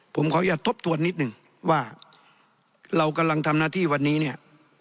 ผมขออนุญาตทบทวนนิดหนึ่งว่าเรากำลังทำหน้าที่วันนี้เนี่ย